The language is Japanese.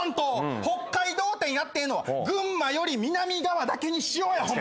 北海道展やってええのは群馬より南側だけにしようや。